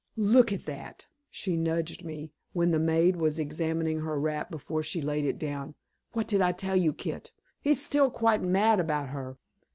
"Look at that!" she nudged me, when the maid was examining her wrap before she laid it down. "What did I tell you, Kit? He's still quite mad about her."